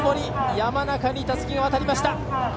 山中にたすきが渡りました。